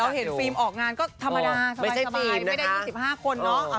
เห็นฟิล์มออกงานก็ธรรมดาสบายไม่ได้๒๕คนเนาะ